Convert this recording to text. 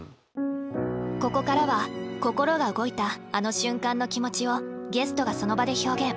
ここからは心が動いたあの瞬間の気持ちをゲストがその場で表現。